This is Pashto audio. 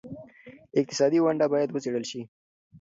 اقتصادي ونډه باید وڅېړل شي.